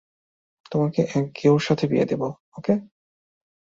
তোমাকে এক গেঁয়োর সাথে বিয়ে দেব, ওকে?